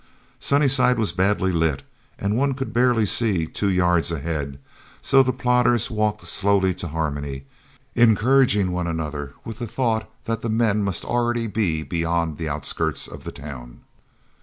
Sunnyside was badly lit, and one could barely see two yards ahead, so the plotters walked slowly to Harmony, encouraging one another with the thought that the men must already be beyond the outskirts of the town.